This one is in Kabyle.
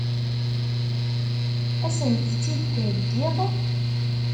Ad sent-tt-id-theggiḍ?